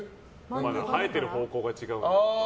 生えてる方向が違うんで。